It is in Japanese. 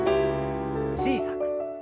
小さく。